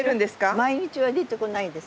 毎日は出てこないです。